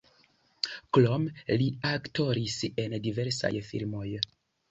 Krome li aktoris en diversaj filmoj.